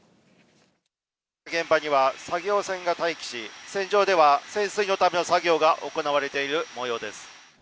現場には作業船が待機し、船上では、潜水のための作業が行われているもようです。